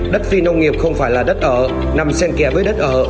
đất phi nông nghiệp không phải là đất ở nằm sen kẹo với đất ở